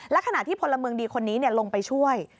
และขณะที่พลเมืองดีคนนี้ลงไปช่วย